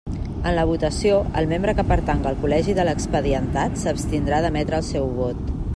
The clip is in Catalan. En la votació, el membre que pertanga al col·legi de l'expedientat, s'abstindrà d'emetre el seu vot.